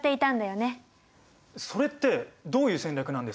それってどういう戦略なんですか？